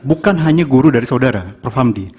bukan hanya guru dari saudara prof hamdi